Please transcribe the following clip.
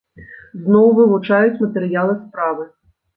Зноў вывучаюць матэрыялы справы.